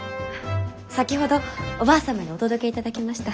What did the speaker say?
先ほどおばあ様にお届けいただきました。